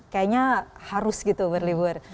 kayaknya harus gitu berlibur